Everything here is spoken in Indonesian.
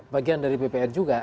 bagian dari bpn juga